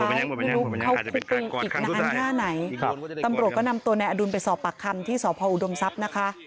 ไม่รู้เขาคุกปิงอีกในอันท่าไหนครับตำรวจก็นำตัวในอดุลไปสอบปากคำที่สอบพออุดมทรัพย์นะคะ